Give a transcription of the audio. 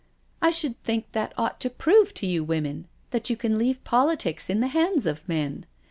I should think that ought to prove to you women that you can leave politics in the hands of men.